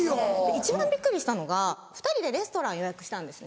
一番びっくりしたのが２人でレストラン予約したんですね。